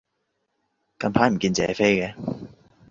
近排唔見謝飛嘅